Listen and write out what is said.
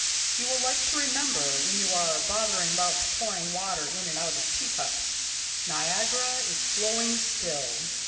You will like to remember, when you are bothering about pouring water in and out of teacups, 'Niagara is flowing still.'